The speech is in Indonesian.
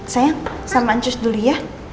saya sama ancus dulu ya